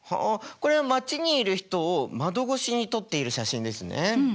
これは街にいる人を窓越しに撮っている写真ですね。